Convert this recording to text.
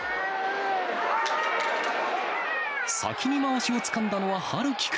先にまわしをつかんだのは、陽希君。